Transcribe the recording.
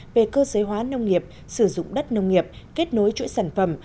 về cơ giới hóa nông nghiệp sử dụng đất nông nghiệp kết nối chuỗi sản phẩm